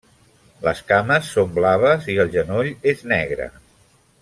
Les cames són blaves i el genoll és negre.